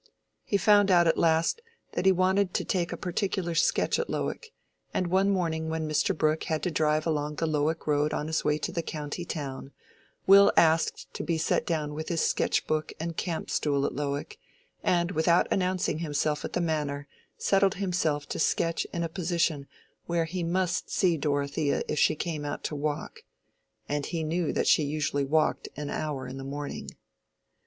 He found out at last that he wanted to take a particular sketch at Lowick; and one morning when Mr. Brooke had to drive along the Lowick road on his way to the county town, Will asked to be set down with his sketch book and camp stool at Lowick, and without announcing himself at the Manor settled himself to sketch in a position where he must see Dorothea if she came out to walk—and he knew that she usually walked an hour in the morning.